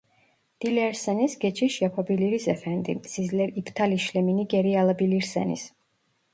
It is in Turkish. Dilerseniz geçiş yapabiliriz efendim sizler iptal işlemini geri alabilirseniz